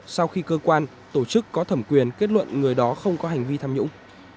sau khi cơ quan tổ chức có thẩm quyền kết luận người đó không có hành vi tham nhũng